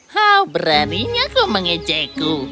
kau beraninya mengejekku